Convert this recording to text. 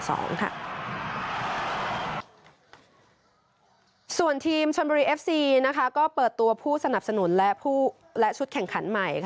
ส่วนทีมชนบุรีเอฟซีก็เปิดตัวผู้สนับสนุนและชุดแข่งขันใหม่